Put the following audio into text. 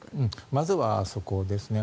まずはそこですね。